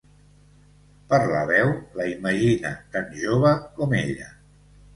Per la veu, la imagina tan jove com ella.